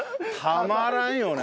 たまらんよね